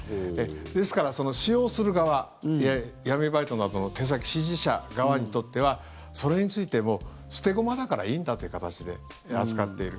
ですから、使用する側闇バイトなどの指示者側にとってはそれについても捨て駒だからいいんだという形で扱っている。